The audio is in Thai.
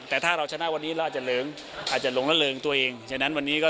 แต่ถ้าเราชนะวันนี้เราอาจจะเริงอาจจะหลงละเริงตัวเองฉะนั้นวันนี้ก็